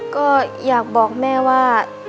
ก็อยากบอกแม่ว่า